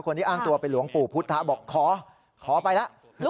คนนี้อ้างตัวเป็นหลวงปู่พุธฮะบอกขอขอไปละ